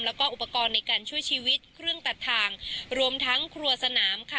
แล้วก็อุปกรณ์ในการช่วยชีวิตเครื่องตัดทางรวมทั้งครัวสนามค่ะ